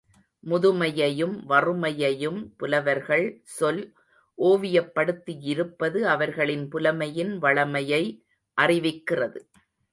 முதுமையையும் வறுமையையும் புலவர்கள் சொல் ஓவியப்படுத்தியிருப்பது அவர்களின் புலமையின் வளமையை அறிவிக்கிறது.